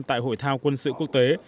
tại hội thao quân sự quốc tế